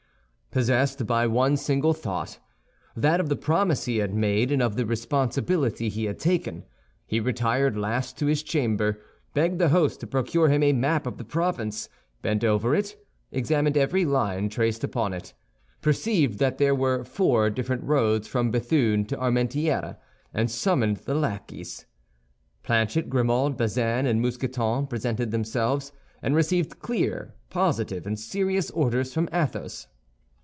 Possessed by one single thought—that of the promise he had made, and of the responsibility he had taken—he retired last to his chamber, begged the host to procure him a map of the province, bent over it, examined every line traced upon it, perceived that there were four different roads from Béthune to Armentières, and summoned the lackeys. Planchet, Grimaud, Bazin, and Mousqueton presented themselves, and received clear, positive, and serious orders from Athos.